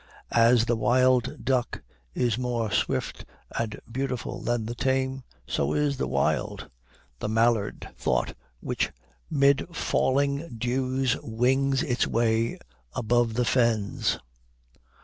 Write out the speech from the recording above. As the wild duck is more swift and beautiful than the tame, so is the wild the mallard thought, which 'mid falling dews wings its way above the fens.